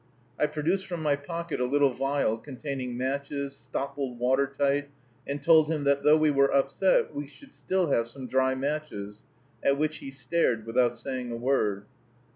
I produced from my pocket a little vial, containing matches, stoppled water tight, and told him, that, though we were upset, we should still have some dry matches; at which he stared without saying a word.